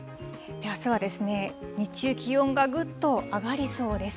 あすは、日中気温がぐっと上がりそうです。